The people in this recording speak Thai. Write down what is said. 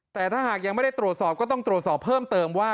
แต่ถ้าหากยังไม่ได้ตรวจสอบก็ต้องตรวจสอบเพิ่มเติมว่า